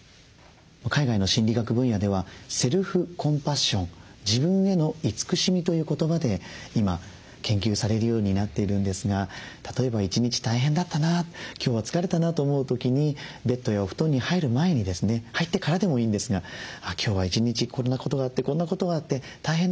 海外の心理学分野ではセルフコンパッション自分への慈しみという言葉で今研究されるようになっているんですが例えば一日大変だったな今日は疲れたなと思う時にベッドやお布団に入る前にですね入ってからでもいいんですが今日は一日こんなことがあってこんなことがあって大変だった。